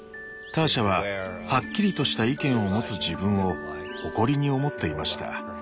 ターシャははっきりとした意見を持つ自分を誇りに思っていました。